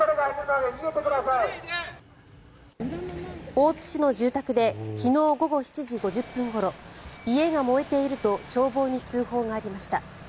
大津市の住宅で昨日午後７時５０分ごろ家が燃えていると消防に通報がありました。